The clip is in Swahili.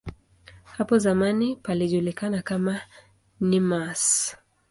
Hapo zamani palijulikana kama "Nemours".